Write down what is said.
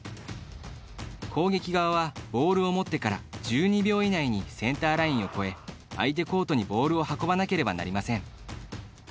攻撃側はボールを持ってから１２秒以内にセンターラインを越え相手コートにボールを運ばなければなりません。